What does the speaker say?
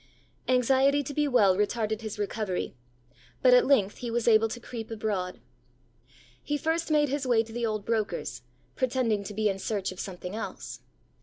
Anxiety to be well retarded his recovery; but at length he was able to creep abroad. He first made his way to the old brokerãs, pretending to be in search of something else.